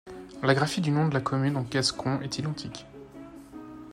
La graphie du nom de la commune en gascon est identique.